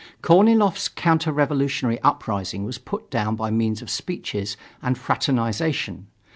Korniloff's counter revolutionary uprising was put down by means of speeches and fraternization.